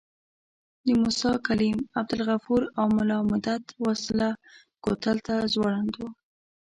د موسی کلیم، عبدالغفور او ملا مدت وسله کوتل ته ځوړند وو.